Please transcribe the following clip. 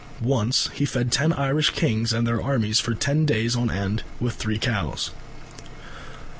Once he fed ten Irish kings and their armies for ten days on end with three cows.